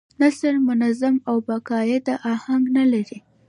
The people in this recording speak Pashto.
نثر منظم او با قاعده اهنګ نه لري.